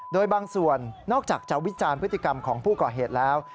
โดยบางส่วนนอกจากจะวิจารณ์พฤติกรรมของผู้ก่อเหตุแล้ว